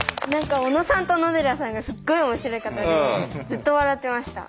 小野さんと小野寺さんがすっごい面白い方でずっと笑ってました。